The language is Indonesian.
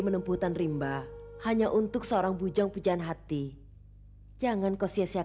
mereka menerima kebenaran mesya